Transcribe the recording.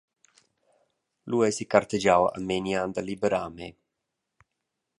Lu eis ei gartegiau a Menian da liberar mei.